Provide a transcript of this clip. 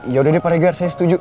ya udah deh pak regar saya setuju